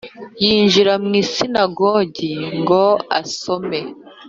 Yinjira mu isinagogi ngo asome